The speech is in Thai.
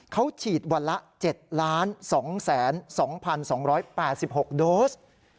เขาฉีดวันละ๗๒๒๘๖โดส